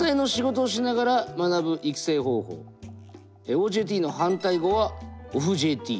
ＯＪＴの反対語はＯＦＦ−ＪＴ。